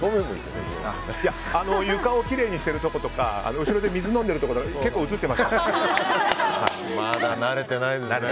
床をきれいにしているところとか後ろで水を飲んでるところとかまだ慣れてないですね。